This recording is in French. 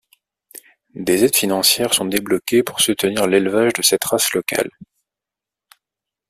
Des aides financières sont débloquées pour soutenir l'élevage de cette race locale.